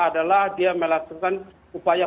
adalah dia melakukan upaya